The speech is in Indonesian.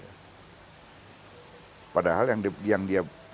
padahal yang dia keluarkan uang untuk memiliki uang yang sangat tinggi